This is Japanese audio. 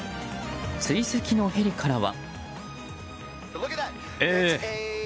追跡のヘリからは。